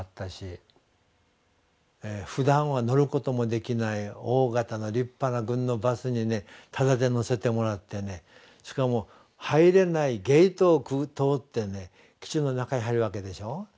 ふだんは乗ることもできない大型の立派な軍のバスにただで乗せてもらってねしかも入れないゲートを通って基地の中へ入るわけでしょう。